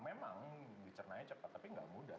memang dicernanya cepat tapi gak mudah